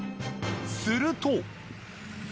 すると。